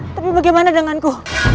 tapi bagaimana denganku